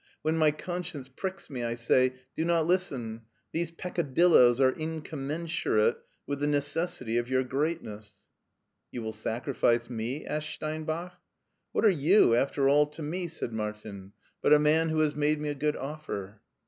When my conscience pricksf me I say, * Do not listen ; these peccadilloes are incommensurate with the necessity of your greatness.* "" You will sacrifice m^? " asked Steinbach. "What are you, after all, to me?" said Martin, LEIPSIC 113 *'but a man who has made me a good offer?